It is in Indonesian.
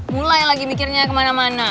mulai lagi mikirnya kemana mana